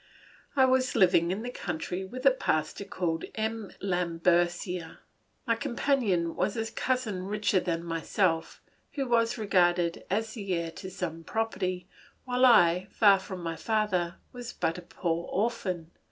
I was living in the country with a pastor called M. Lambercier. My companion was a cousin richer than myself, who was regarded as the heir to some property, while I, far from my father, was but a poor orphan.